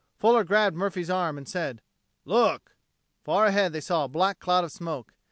Fuller grabbed Murphy's arm, and said: "Look!" Far ahead they saw a black cloud of smoke.